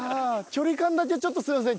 距離感だけちょっとすいません